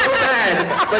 itu berbau sangat buruk